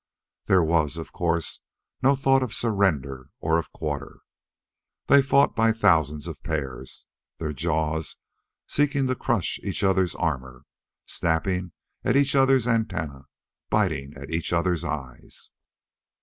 There was, of course, no thought of surrender or of quarter. They fought by thousands of pairs, their jaws seeking to crush each other's armor, snapping at each other's antennae, biting at each other's eyes....